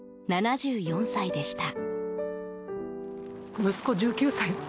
７４歳でした。